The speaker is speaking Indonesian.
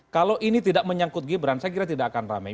kalau ini tidak menyangkut gibran saya kira tidak akan ramai